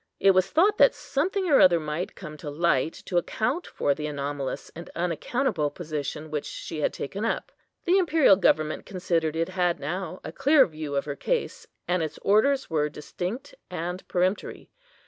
It was thought that something or other might come to light to account for the anomalous and unaccountable position which she had taken up. The imperial government considered it had now a clear view of her case, and its orders were distinct and peremptory.